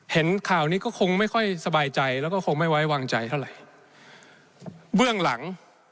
เห็นข่าวนี้ก็คงไม่ค่อยสบายใจแล้วก็คงไม่ไว้วางใจเท่าไหร่เบื้องหลัง